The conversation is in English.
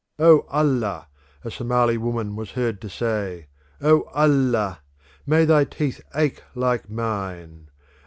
"O Allah!" a Somali woman was heard to say, "O Allah! May thy teeth ache like mine!